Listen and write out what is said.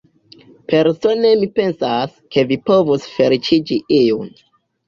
Persone mi pensas, ke vi povus feliĉigi iun.